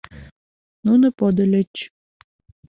Нуно подыльыч.